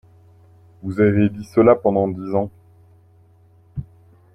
Vous avez dit cela pendant dix ans